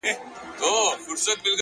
بيا نو منم چي په اختـر كي جــادو؛